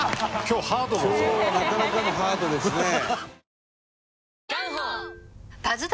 今日はなかなかのハードですね。